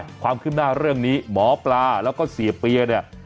คุณผู้ชมขึ้นหน้าเรื่องนี้หมอปลาแล้วก็เสียเปลี่ยเนี่ย